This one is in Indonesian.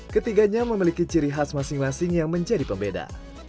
ketiganya memiliki ciri khas masing masing yang menjadi pembeda